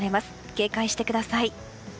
警戒してください。